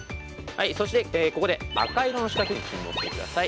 そしてここで赤色の四角に注目してください。